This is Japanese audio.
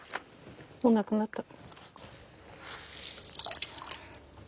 もうなくなった。